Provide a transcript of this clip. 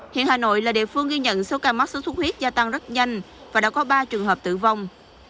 hiện hà nội là địa phương ghi nhận số ca mắc sốt xuất huyết gia tăng rất nhanh và đã có ba trường hợp tử vong